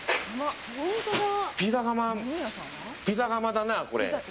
ピザ窯だな、これ。